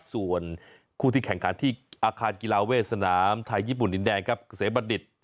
ส่วนคู่ที่แข่งขันที่อาคารกีฬาเวทสนามไทยญี่ปุ่นดินแดงครับเกษมบัณฑิต